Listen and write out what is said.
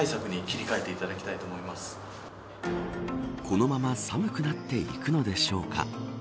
このまま寒くなっていくのでしょうか。